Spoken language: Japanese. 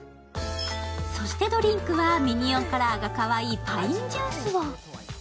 そしてドリンクは、ミニオンオラーがかわいいパインジュースを。